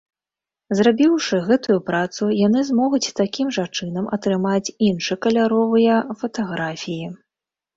Зрабіўшы гэтую працу, яны змогуць такім жа чынам атрымаць іншы каляровыя фатаграфіі.